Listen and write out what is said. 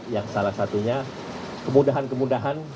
yang salah satunya kemudahan kemudahan